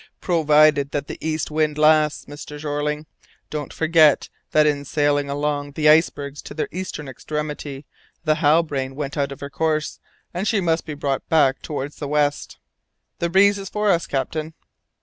"Provided that the east wind lasts, Mr. Jeorling. Don't forget that in sailing along the icebergs to their eastern extremity, the Halbrane went out of her course, and she must be brought back towards the west." "The breeze is for us, captain."